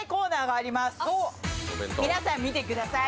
皆さん見てください。